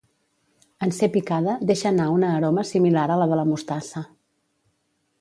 En ser picada deixa anar una aroma similar a la de la mostassa.